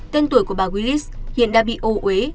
tên tuổi của bà gilis hiện đã bị ô ế